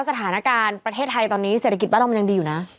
สถานการณ์ประเทศไทยตอนนี้เศรษฐกิจบ้านเรามันยังดีอยู่นะ